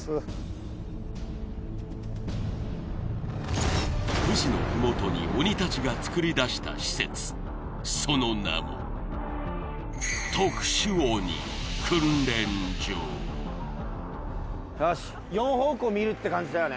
ちなみに富士のふもとに鬼たちが作り出した施設その名もよし４方向見るって感じだよね